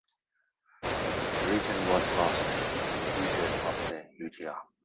The region was lost in the Disaster of Yongjia.